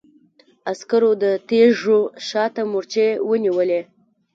عسکرو د تيږو شا ته مورچې ونيولې.